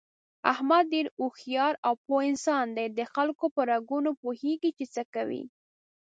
احمد ډېر هوښیار او پوه انسان دی دخلکو په رګونو پوهېږي، چې څه کوي...